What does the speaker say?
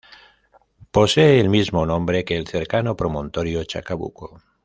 Posee el mismo nombre que el cercano Promontorio Chacabuco.